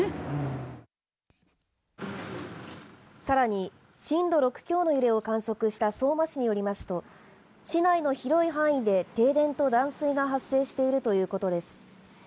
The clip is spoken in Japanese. さらに震度６強の揺れを観測した相馬市によりますと市内の広い範囲で停電と断水が発生しているということです。